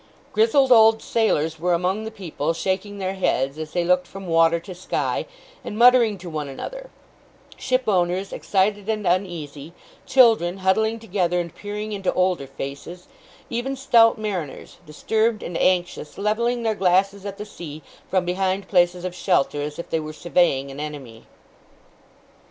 Grizzled old sailors were among the people, shaking their heads, as they looked from water to sky, and muttering to one another; ship owners, excited and uneasy; children, huddling together, and peering into older faces; even stout mariners, disturbed and anxious, levelling their glasses at the sea from behind places of shelter, as if they were surveying an enemy.